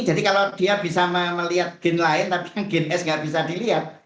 jadi kalau dia bisa melihat gin lain tapi gin s nggak bisa dilihat